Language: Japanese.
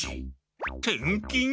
転勤？